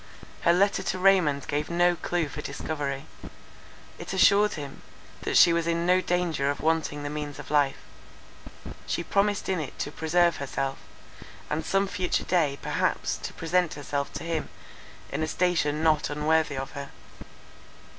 Her letter to Raymond gave no clue for discovery; it assured him, that she was in no danger of wanting the means of life; she promised in it to preserve herself, and some future day perhaps to present herself to him in a station not unworthy of her.